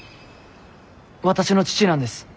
私の父なんです。